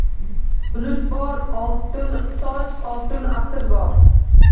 Bulut bor, oltin soch, oltin asr bor